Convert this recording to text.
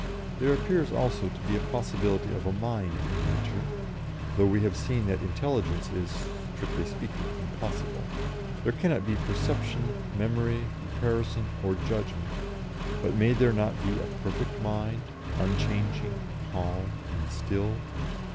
"There appears, also, to be a possibility of a mind in nature, though we have seen that intelligence is, strictly speaking, impossible. There cannot be perception, memory, comparison, or judgment, but may there not be a perfect mind, unchanging, calm, and still?